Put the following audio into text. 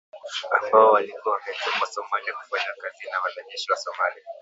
ambao walikuwa wametumwa Somalia kufanya kazi na wanajeshi wa Somalia